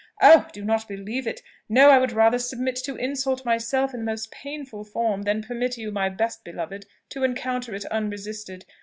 Oh! do not believe it! No! I would rather submit to insult myself in the most painful form, than permit you, my best beloved, to encounter it unresisted.